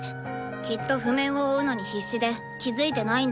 きっと譜面を追うのに必死で気付いてないんだと思う。